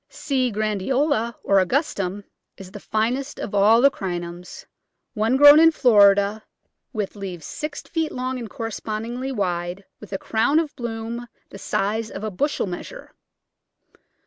C. grandolia, or augustum, is the finest of all the Crinums: one grown in Florida "with leaves six feet long and correspondingly wide, with a crown of bloom the size of a bushel measure."